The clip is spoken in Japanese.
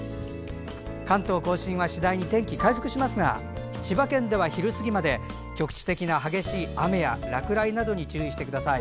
関東・甲信は次第に天気回復しますが千葉県では昼過ぎまで局地的な激しい雨や落雷などに注意してください。